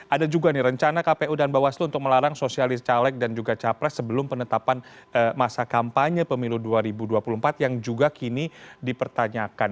ada juga nih rencana kpu dan bawaslu untuk melarang sosialis caleg dan juga capres sebelum penetapan masa kampanye pemilu dua ribu dua puluh empat yang juga kini dipertanyakan